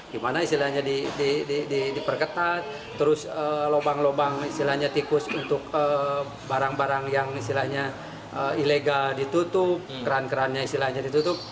gimana isilahnya diperketat terus lubang lubang tikus untuk barang barang yang ilegal ditutup keran kerannya isilahnya ditutup